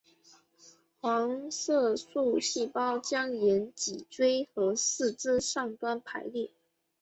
黄色素细胞将沿脊椎和四肢上端排列。